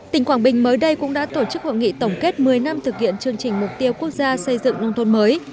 tỉnh quảng bình mới đây cũng đã tổ chức hội nghị tổng kết một mươi năm thực hiện chương trình mục tiêu quốc gia xây dựng nông thôn mới